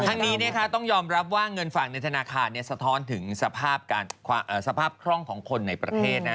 ทั้งนี้ต้องยอมรับว่าเงินฝั่งในธนาคารสะท้อนถึงสภาพคล่องของคนในประเทศนะ